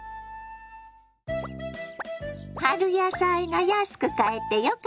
春野菜が安く買えてよかったわ。